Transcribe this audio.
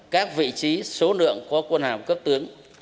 các vị trí số lượng của quân hàm cấp tướng